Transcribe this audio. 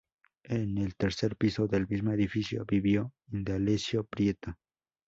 En el tercer piso del mismo edificio vivió Indalecio Prieto.